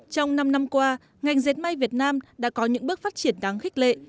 trong năm năm qua ngành dệt may việt nam đã có những bước phát triển đáng khích lệ